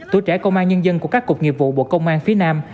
tuổi trẻ công an nhân dân của các cục nghiệp vụ bộ công an phía nam